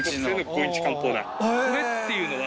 これっていうのは。